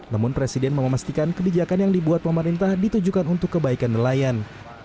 namun presiden memastikan kebijakan yang dibuat pemerintah ditujukan untuk kebaikan nelayan